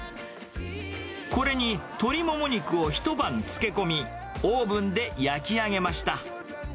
これに鶏もも肉を一晩漬け込み、オーブンで焼き上げました。